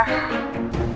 kalau misalkan gak ada